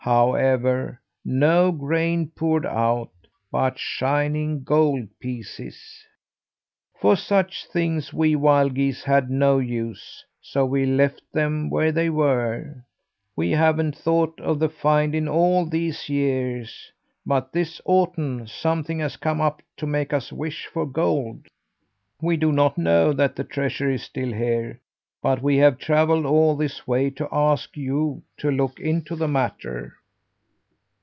However, no grain poured out, but shining gold pieces. For such things we wild geese had no use, so we left them where they were. We haven't thought of the find in all these years; but this autumn something has come up to make us wish for gold. "We do not know that the treasure is still here, but we have travelled all this way to ask you to look into the matter."